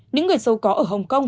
những người giàu có ở hồng kông